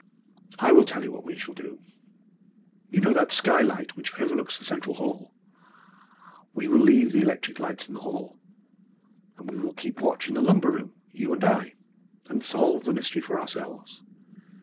I will tell you what we shall do. You know that skylight which overlooks the central hall? We will leave the electric lights in the hall, and we will keep watch in the lumber room, you and I, and solve the mystery for ourselves.